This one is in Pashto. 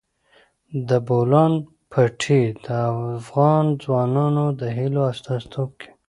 د بولان پټي د افغان ځوانانو د هیلو استازیتوب کوي.